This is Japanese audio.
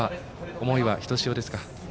思いはひとしおですか？